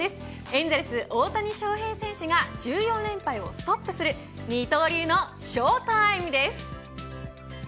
エンゼルス大谷翔平選手が１４連敗をストップする二刀流のショータイムです。